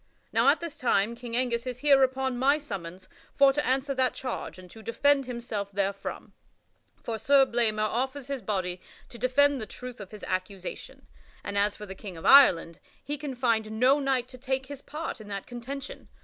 Now at this time King Angus is here upon my summons for to answer that charge and to defend himself therefrom; for Sir Blamor offers his body to defend the truth of his accusation, and as for the King of Ireland, he can find no knight to take his part in that contention.